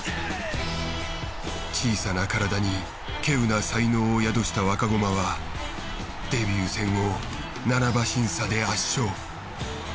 小さな体にけうな才能を宿した若駒はデビュー戦を７馬身差で圧勝。